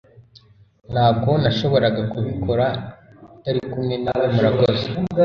Ntabwo nashoboraga kubikora utari kumwe nawe Murakoze